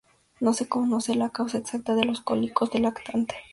No se conoce la causa exacta de los cólicos del lactante.